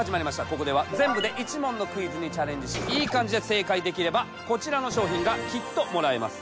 ここでは全部で１問のクイズにチャレンジしイイ感じで正解できればこちらの商品がきっともらえます。